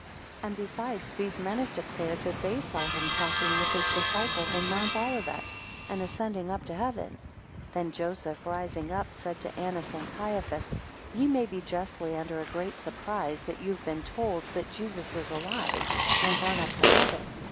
12 And besides, these men have declared, that they saw him talking with his disciples in Mount Olivet, and ascending up to heaven. 13 Then Joseph rising up, said to Annas and Caiaphas, Ye may be justly under a great surprise, that you have been told, that Jesus is alive, and gone up to heaven.